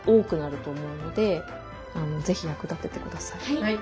はい。